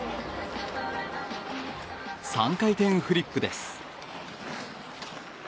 ３回転フリップです。